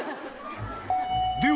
［では］